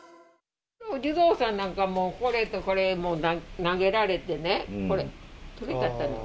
お地蔵さんなんか、これとこれ、投げられてね、これ取れちゃったの。